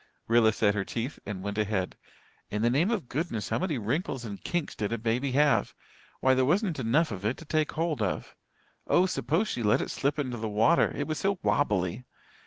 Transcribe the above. Rilla set her teeth and went ahead. In the name of goodness, how many wrinkles and kinks did a baby have? Why, there wasn't enough of it to take hold of. Oh, suppose she let it slip into the water it was so wobbly!